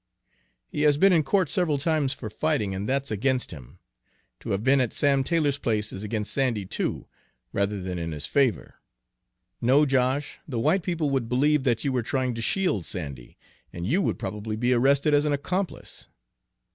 "He has been in court several times for fighting, and that's against him. To have been at Sam Taylor's place is against Sandy, too, rather than in his favor. No, Josh, the white people would believe that you were trying to shield Sandy, and you would probably be arrested as an accomplice."